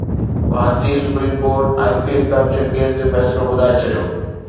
ڀارتي supreme court I P L corruption case جو فيصلو ٻڌائي ڇڏيو